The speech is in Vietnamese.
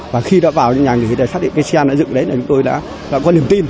và khi đã vào nhà nghỉ để xác định cái xe nó dựng đấy chúng tôi đã có niềm tin